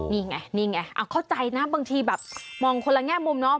นี่ไงนี่ไงเอาเข้าใจนะบางทีแบบมองคนละแง่มุมเนาะ